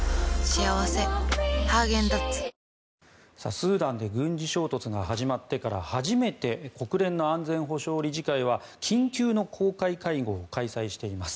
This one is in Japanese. スーダンで軍事衝突が始まってから初めて国連の安全保障理事会は緊急の公開会合を開催しています。